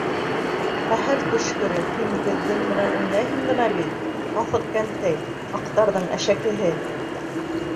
Ҡәһәр төшкөрө, һин беҙҙең менән уйнайһың ғына бит, һаҫыҡ кәнтәй, аҡтарҙың әшәкеһе!